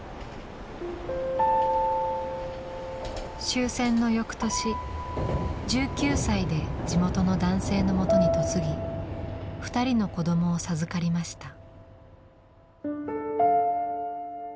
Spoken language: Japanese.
終戦の翌年１９歳で地元の男性のもとに嫁ぎ２人の子どもを授かりました。